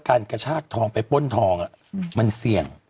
การกระชาติทองไปป้นทองอะมันเสี่ยง